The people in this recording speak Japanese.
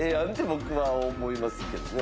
僕は思いますけどね。